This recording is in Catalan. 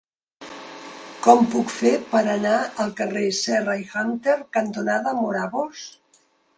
Com ho puc fer per anar al carrer Serra i Hunter cantonada Morabos?